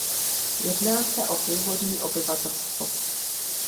Jedná se o původní obyvatelstvo.